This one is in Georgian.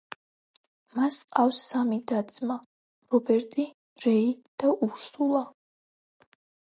მას ჰყავდა სამი და-ძმა: რობერტი, რეი და ურსულა.